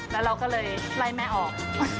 แล้วเราก็เลยไล่แม่ออก